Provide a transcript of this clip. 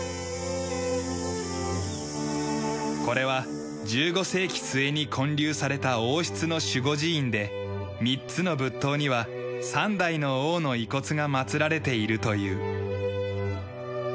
これは１５世紀末に建立された王室の守護寺院で３つの仏塔には３代の王の遺骨が祭られているという。